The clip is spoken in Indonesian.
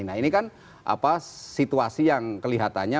nah ini kan situasi yang kelihatannya